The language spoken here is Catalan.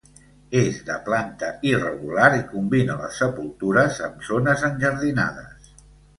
És de planta irregular i combina les sepultures amb zones enjardinades.